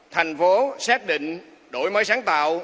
thành phố xác định đổi mới sáng tạo